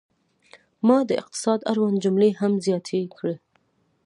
ما د اقتصاد اړوند جملې هم زیاتې کړې.